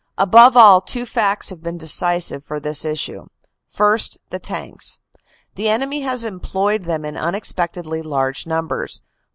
" Above all, two facts have been decisive for this issue. First, the tanks. The enemy has employed them in unexpect edly large numbers.